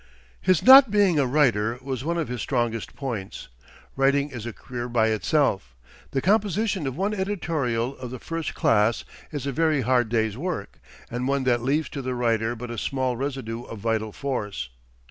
His not being a writer was one of his strongest points. Writing is a career by itself. The composition of one editorial of the first class is a very hard day's work, and one that leaves to the writer but a small residue of vital force.